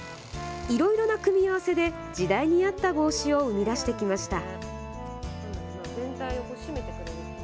いろいろな組み合わせで時代に合った帽子を生み出してきました。